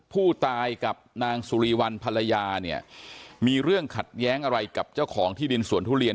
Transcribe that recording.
ผู้ตายกับนางสุริวัลภรรยาเนี่ยมีเรื่องขัดแย้งอะไรกับเจ้าของที่ดินสวนทุเรียน